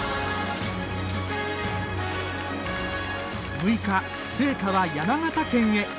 ６日、聖火は山形県へ。